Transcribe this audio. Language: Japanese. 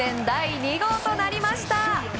第２号となりました。